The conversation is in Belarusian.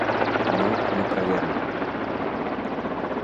Ну, мы праверым.